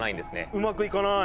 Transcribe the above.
うまくいかない。